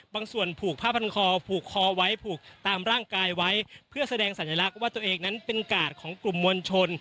บางส่วนผูกผ้าพันคอผูกคอไว้ผูกตามร่างกายไว้เพื่อแสดงสัญลักษณ์ว่าตัวเองนั้นเป็นกาดของกลุ่มมวลชน